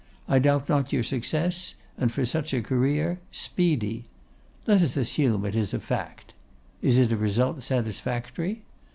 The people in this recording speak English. I doubt not your success, and for such a career, speedy. Let us assume it as a fact. Is it a result satisfactory?